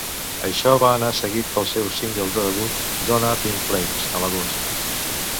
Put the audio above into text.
Això va anar seguit pel seu single de debut "Gone Up in Flames" a l'agost.